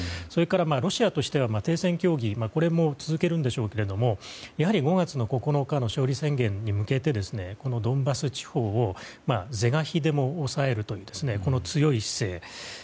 それから、ロシアとしては停戦協議も続けるんでしょうけれどもやはり５月９日の勝利宣言に向けてドンバス地方を是が非でも抑えるという強い姿勢。